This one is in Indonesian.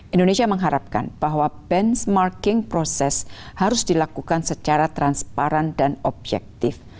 indonesia mengharapkan bahwa benchmarking proses harus dilakukan secara transparan dan objektif